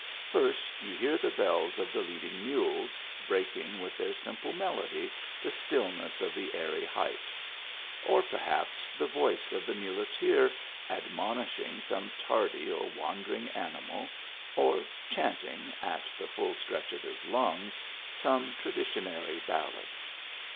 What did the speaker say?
First you hear the bells of the leading mules, breaking with their simple melody the stillness of the airy height ; or, perhaps, the voice of the muleteer ad monishing some tardy or wandering animal, or chanting, at the full stretch of his lungs, some tra ditionary ballad.